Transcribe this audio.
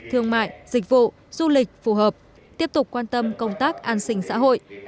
thương mại dịch vụ du lịch phù hợp tiếp tục quan tâm công tác an sinh xã hội